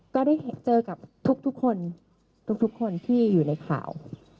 ก็ได้เจอกับทุกคนทุกคนที่อยู่ในข่าว